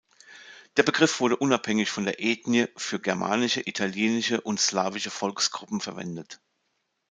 Der Begriff wurde unabhängig von der Ethnie für germanische, italische und slavische Volksgruppen verwendet.